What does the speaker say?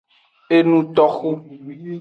Enutoxu.